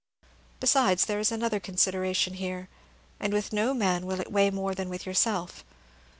Besides, there is another consideration here, and with no man will it weigh more than with yourself.